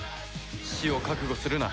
死を覚悟するな。